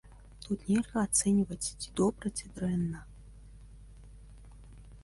Тут нельга ацэньваць ці добра, ці дрэнна.